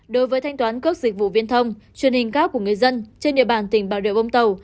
đối với thanh toán cước dịch vụ viên thông truyền hình cap của người dân trên địa bàn tỉnh bà rịa bông tàu